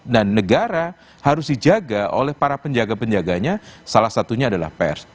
dan negara harus dijaga oleh para penjaga penjaganya salah satunya adalah pers